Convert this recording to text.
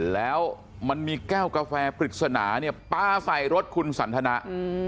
แล้วมันมีแก้วกาแฟปริศนาเนี่ยปลาใส่รถคุณสันทนะ